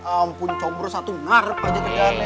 ampun combro satu narep aja ke gare